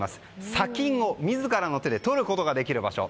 砂金を自らの手で採ることができる場所。